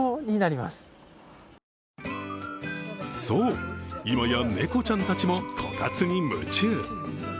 そう、今や猫ちゃんたちもこたつに夢中。